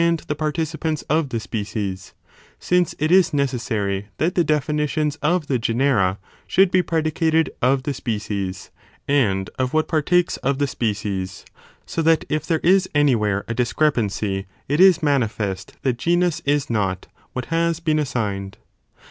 the participants of the species, since it is neces sary that the definitions of the genera, should be predicated of the species, and of what partakes of the species, so that if there is any where a discrepancy, it is manifest that genus is not, what has been assigned.